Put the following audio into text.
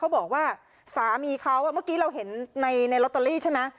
บอกว่าสามีเขาเมื่อกี้เราเห็นในลอตเตอรี่ใช่ไหม